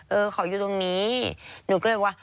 เออเขาอยู่ตรงนี้หนูก็เลยบอกว่า